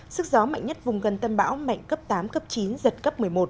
sức gió mạnh nhất vùng gần tâm bão mạnh cấp tám cấp chín giật cấp một mươi một